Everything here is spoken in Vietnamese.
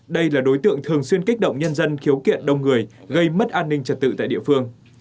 đây là đối tượng thường xuyên kích động nhân dân khiếu kiện đông người gây mất an ninh trật tự tại địa phương